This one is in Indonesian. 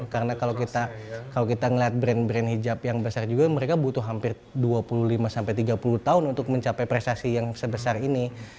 karena kalau kita ngeliat brand brand hijab yang besar juga mereka butuh hampir dua puluh lima sampai tiga puluh tahun untuk mencapai prestasi yang sebesar ini